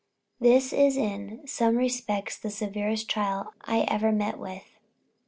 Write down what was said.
This is in some respects the severest trial I ever met with."